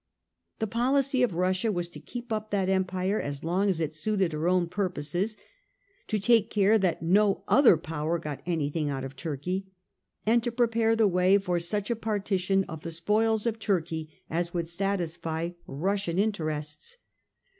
The policy of Russia was to keep up that empire as long as it suited her own purposes; to take care that no other Power got anything out of Turkey ; and to prepare the way for such a partition of the spoils of Turkey as would satisfy Russian interests.